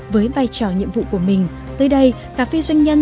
với vai trò nhiệm vụ của mình tới đây cà phê doanh nhân